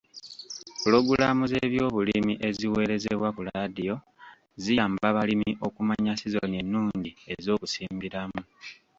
Pulogulaamu z'ebyobulimi eziweerezebwa ku laadiyo ziyamba balimi okumanya sizoni ennungi ez'okusimbiramu.